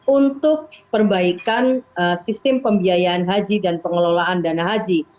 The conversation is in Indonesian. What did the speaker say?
untuk perbaikan sistem pembiayaan haji dan pengelolaan dana haji